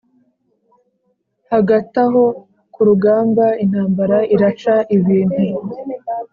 hagati aho ku rugamba intambara iraca ibintu,